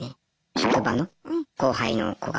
職場の後輩の子が。